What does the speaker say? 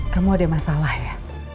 kamu ada masalah ya